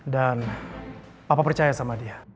dan papa percaya sama dia